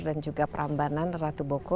dan juga prambanan ratu boko